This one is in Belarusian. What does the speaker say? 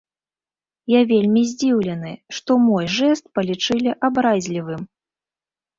Я вельмі здзіўлены, што мой жэст палічылі абразлівым.